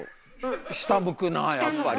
下向くなあやっぱり。